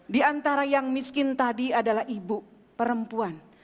di antara yang miskin tadi adalah ibu perempuan